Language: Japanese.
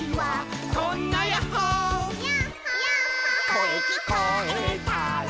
「こえきこえたら」